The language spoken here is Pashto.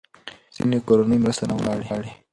ځینې کورنۍ مرسته نه غواړي.